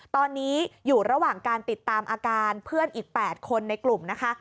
ตอนนี้อยู่ระหว่างการติดตามอาการเพื่อนอีก๘คนในกลุ่มนะคะ